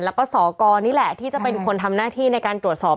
แล้วก็สกนี่แหละที่จะเป็นคนทำหน้าที่ในการตรวจสอบ